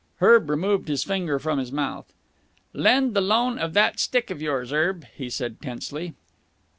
Henry removed his finger from his mouth. "Lend the loan of that stick of yours, Erb," he said tensely.